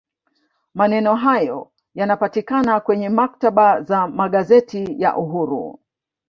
maneno hayo yanapatikana kwenye maktaba za magazeti ya uhuru